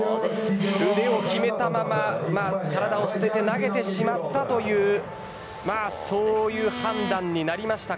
腕を極めたまま体を捨てて投げてしまったというそういう判断になりました。